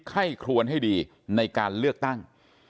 ให้ครวนให้ดีในการเลือกตั้ง